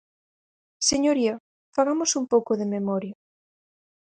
Señoría, fagamos un pouco de memoria.